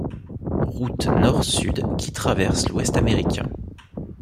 Route nord-sud qui traverse l'Ouest américain.